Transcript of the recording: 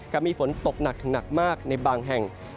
กับมีฝนตกหนักถึงหนักมากในบางแห่ง